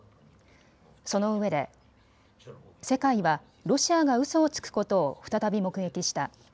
そのうえで世界はロシアがうそをつくことを再び目撃した。